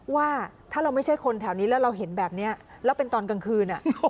ว่าถ้าเราไม่ใช่คนแถวนี้แล้วเราเห็นแบบนี้แล้วเป็นตอนกลางคืน